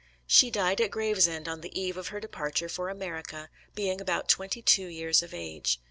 She died at Gravesend on the eve of her departure for America, being about twenty two years of age.